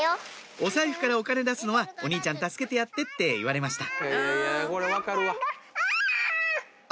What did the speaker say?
「お財布からお金出すのはお兄ちゃん助けてやって」って言われましたあ！